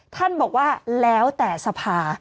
ท่านบอกว่าแล้วแต่สภา